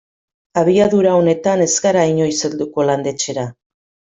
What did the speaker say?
Abiadura honetan ez gara inoiz helduko landetxera.